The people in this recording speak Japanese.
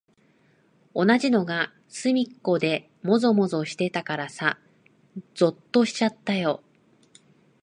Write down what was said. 同じのがすみっこでもぞもぞしてたからさ、ぞっとしちゃったよ。